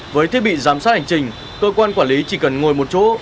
với thiết bị giám sát hành trình cơ quan quản lý chỉ cần ngồi một chỗ